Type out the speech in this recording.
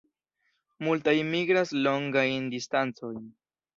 Multaj migras longajn distancojn.